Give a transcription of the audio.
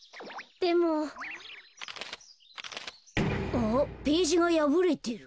あっページがやぶれてる。